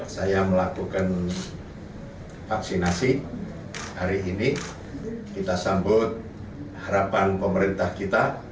saya melakukan vaksinasi hari ini kita sambut harapan pemerintah kita